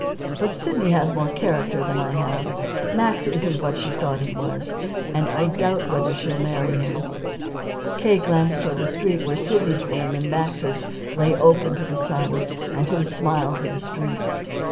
But Sidney has more character than I have. Max isn't what she thought he was, and I doubt whether she'll marry him." K. glanced toward the street where Sidney's name and Max's lay open to the sun and to the smiles of the Street.